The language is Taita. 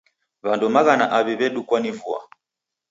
W'andu maghana aw'I w'edukwa ni vua.